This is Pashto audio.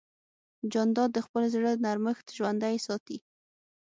جانداد د خپل زړه نرمښت ژوندی ساتي.